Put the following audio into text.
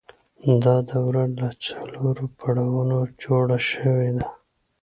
دا دوره له څلورو پړاوونو جوړه شوې ده